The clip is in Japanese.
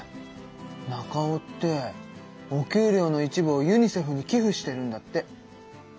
ナカオってお給料の一部をユニセフに寄付してるんだって！